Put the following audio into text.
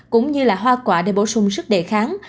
cũng như là hoa quả để bổ sung sức đề kháng